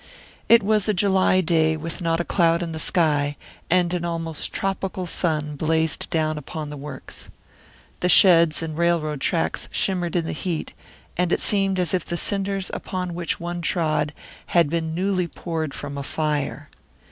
It was a July day, with not a cloud in the sky, and an almost tropical sun blazed down upon the works. The sheds and railroad tracks shimmered in the heat, and it seemed as if the cinders upon which one trod had been newly poured from a fire.